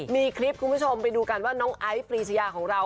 มีคลิปคุณผู้ชมไปดูกันว่าน้องไอซ์ปรีชายาของเรา